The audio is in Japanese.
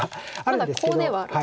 まだコウではあると。